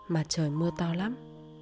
mà trời mưa to lắm